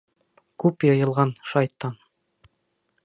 Күп йыйылған, шайтан.